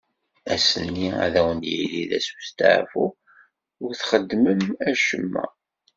Ass-nni ad wen-yili d ass n usteɛfu, ur txeddmem acemma.